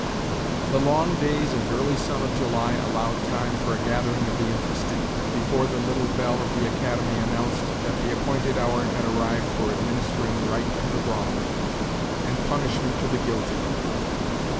The long days and early sun of July allowed time for a gathering of the interested, before the little bell of the academy announced that the appointed hour had arrived for administering right to the wronged, and punishment to the guilty.